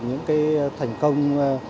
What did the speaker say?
những cái thành công